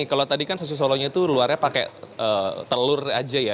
kalau tadi kan susu solonya itu luarnya pakai telur aja ya